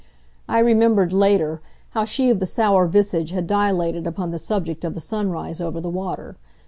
I remembered, later, how she of the sour visage had dilated upon the subject of the sunrise over the water.